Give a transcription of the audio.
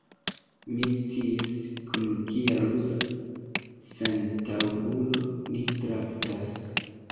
Mi sciis, kun kia ruza sentaŭgulo ni traktas.